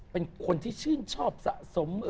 เป็นคนที่ชื่นชอบสะสม